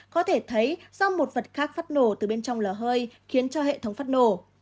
có thể thấy do một vật khác phát nổ từ bên trong lò hơi khiến cho hệ thống phát nổ